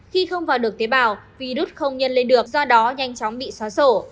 khi không vào được tế bào virus không nhân lên được do đó nhanh chóng bị xóa sổ